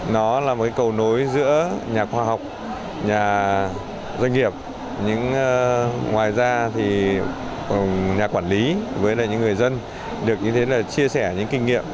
nhà doanh nghiệp ngoài ra thì nhà quản lý với những người dân được như thế này chia sẻ những kinh nghiệm